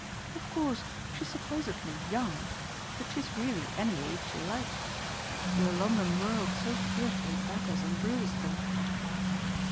Of course she's supposedly young, but she's really any age you like: your London world so fearfully batters and bruises them."